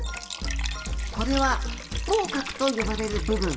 これは口角と呼ばれる部分。